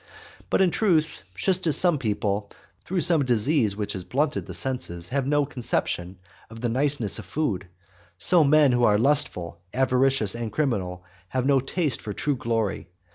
But in truth, just as some people, through some disease which has blunted the senses, have no conception of the niceness of food, so men who are lustful, avaricious, and criminal, have no taste for true glory.